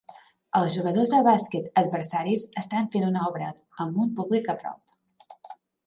Els jugadors de bàsquet adversaris estan fent una obra amb un públic a prop